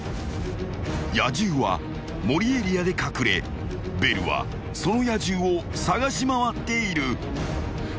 ［野獣はｍｏｒｉエリアで隠れベルはその野獣を捜し回っている］